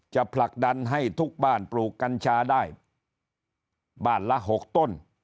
ผลักดันให้ทุกบ้านปลูกกัญชาได้บ้านละ๖ต้น